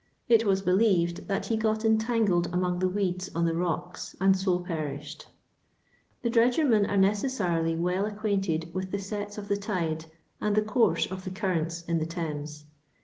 It was believed that he got entangled among the weeds on the rocks, and so perished. The dredgermen are necessarily well acquainted with the sets of the tide and the course of the currents in the Thames.